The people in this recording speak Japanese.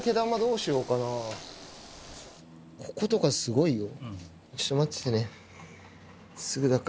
こことかすごいよ。と相葉